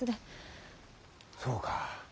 そうか。